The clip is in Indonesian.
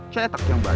cetak yang banyak